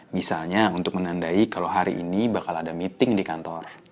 misalnya untuk menandai kalau hari ini bakal ada meeting di kantor